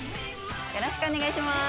よろしくお願いします。